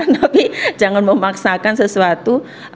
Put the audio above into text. tapi jangan memaksakan sesuatu